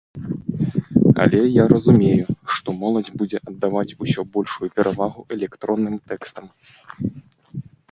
Але я разумею, што моладзь будзе аддаваць усё большую перавагу электронным тэкстам.